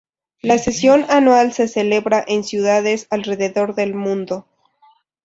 La sesión anual se celebra en ciudades alrededor del mundo.